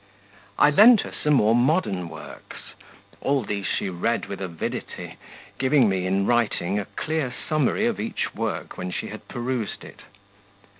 I lent her some more modern works; all these she read with avidity, giving me, in writing, a clear summary of each work when she had perused it.